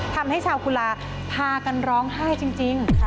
ทำให้ชาวกุลาพากันร้องไห้จริง